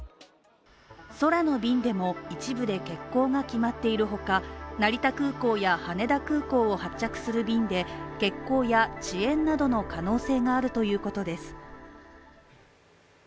空の便でも一部で欠航が決まっているほか、成田空港や羽田空港を発着する便で欠航や遅延などの可能性があるということです